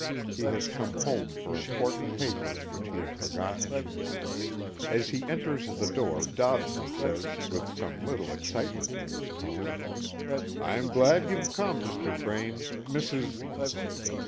He has come home for important papers which he had forgotten. As he enters the door, Dobson says with some little excitement in his tone: "I'm glad you've come, Mr. Braine. Mrs.